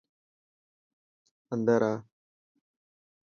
اندر آ.